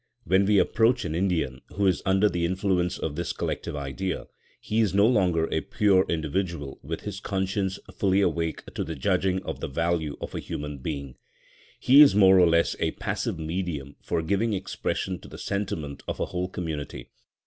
When we approach an Indian who is under the influence of this collective idea, he is no longer a pure individual with his conscience fully awake to the judging of the value of a human being. He is more or less a passive medium for giving expression to the sentiment of a whole community.